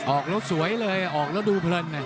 ออกแล้วสวยเลยออกแล้วดูเพลิน